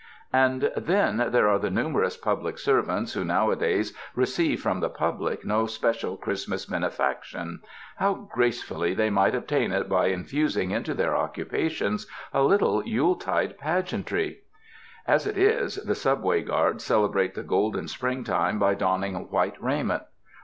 And then there are the numerous public servants ART OF CHRISTMAS GIVING who nowadays receive from the public no special Christmas benefaction — How gracefully they might obtain it by infusing into their occupations a little Yuletide pageantry! As it is, the subway guards celebrate the golden springtime by donning white raiment.